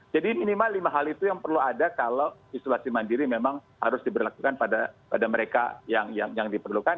jadi minimal lima hal itu yang perlu ada kalau isolasi mandiri memang harus diberlakukan pada mereka yang diperlukan